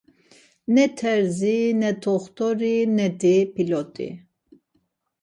Ne terzi, ne t̆oxt̆ori neti pilot̆i.